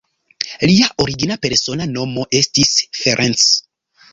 Lia origina persona nomo estis Ferenc.